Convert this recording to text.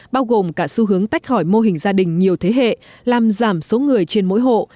bao gồm cả xu hướng tách khỏi mô hình gia đình nhiều thế hệ làm giảm số người trên mỗi hộ